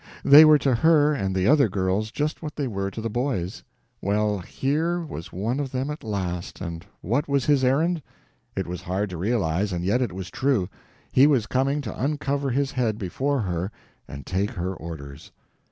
They were to her and the other girls just what they were to the boys. Well, here was one of them at last—and what was his errand? It was hard to realize it, and yet it was true; he was coming to uncover his head before her and take her orders.